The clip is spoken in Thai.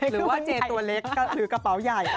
หรือว่าเจตัวเล็กหรือกระเป๋าใหญ่